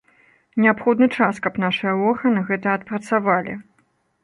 Неабходны час, каб нашыя органы гэта адпрацавалі.